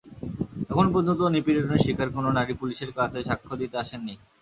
এখন পর্যন্ত নিপীড়নের শিকার কোনো নারী পুলিশের কাছে সাক্ষ্য দিতে আসেননি।